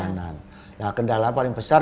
nah kendala paling besar